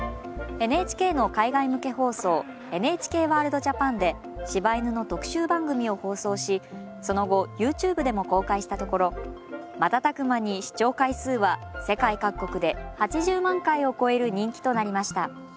ＮＨＫの海外向け放送「ＮＨＫＷＯＲＬＤ−ＪＡＰＡＮ」で柴犬の特集番組を放送しその後ＹｏｕＴｕｂｅでも公開したところ瞬く間に視聴回数は世界各国で８０万回を超える人気となりました。